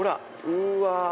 うわ！